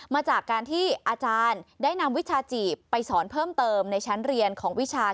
มาจากการที่อาจารย์ได้นำวิชาจีบไปสอนเพิ่มเติมในชั้นเรียนของวิชา